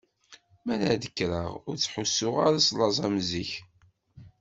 Mi ara d-kkreɣ ur ttḥussuɣ ara s laẓ am zik.